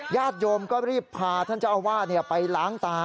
ญาติโยมก็รีบพาท่านเจ้าอาวาสไปล้างตา